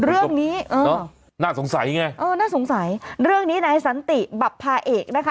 อือประสบน่าสงสัยไงน่าสงสัยเรื่องนี้นายสันติบับพาเอกนะคะ